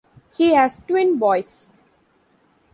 He has twin boys.